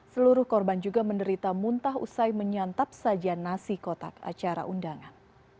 seluruh korban juga menderita muntah usai menyantap sajian nasi kotak acara undangan